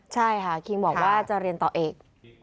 ใช่ค่ะคิงบอกว่าจะเรียนต่อเอก